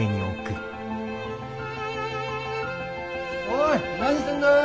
おい何してんだ。